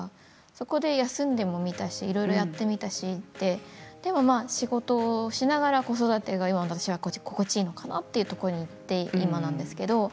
そこで休んでもみたしいろいろやってもみたしでも仕事をしながら子育てが今の私は心地いいのかなと言って今なんですけれど。